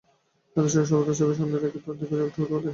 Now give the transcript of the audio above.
এই আদর্শকে সর্বদা চোখের সামনে রেখে তার দিকে একটু একটু করে এগিয়ে যান।